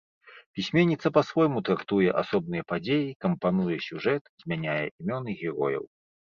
Пісьменніца па-свойму трактуе асобныя падзеі, кампануе сюжэт, змяняе імёны герояў.